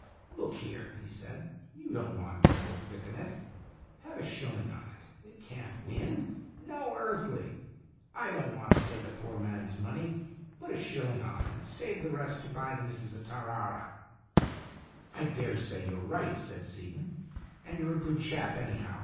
"Look here," he said. "You don't want no thick 'un on it. Have a shilling on it. It can't win. No earthly. I don't want to take a poor man's money. Put a shilling on, and save the rest to buy the missis a tarara." " I dare say you're right," said Seaton ;" and you're a good chap, anyhow.